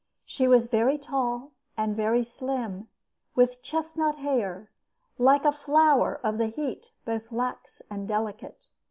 She was very tall and very slim, with chestnut hair, "like a flower of the heat, both lax and delicate."